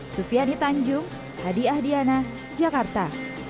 sufiani tanjung hadi ahdiana jakarta